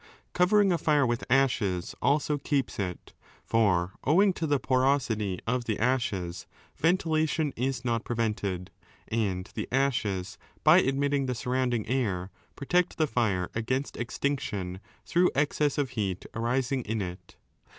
Covering a fire with ashes also keeps it. For owing to the porosity of the ashes ventilation is not prevented, and the ashes, by admitting the surrounding air, protect the fire against extinction through excess of heat arising in 7 it.